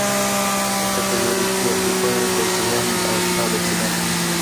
په کټورې کې یې اوبه، د ژوند او سا د چېنو